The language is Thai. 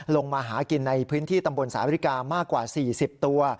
มาหากินในพื้นที่ตำบลสาวริกามากกว่า๔๐ตัว